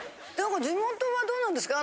地元はどうなんですか？